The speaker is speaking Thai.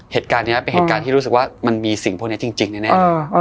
เหตุการณ์นี้เป็นเหตุการณ์ที่รู้สึกว่ามันมีสิ่งพวกนี้จริงแน่